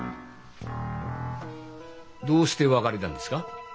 どうして別れたんですか？